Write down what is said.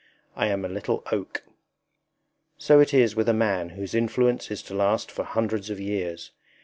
I am a little oak_. So it is with a man whose influence is to last for hundreds of years.